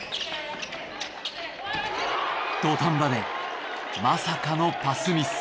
土壇場でまさかのパスミス。